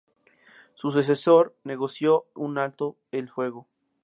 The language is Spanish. Su sucesor, Tokugawa Yoshinobu, negoció un alto el fuego.